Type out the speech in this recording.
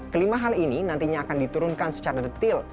kelima hal ini nantinya akan diturunkan secara detil